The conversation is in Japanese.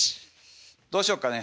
どうしよっかね。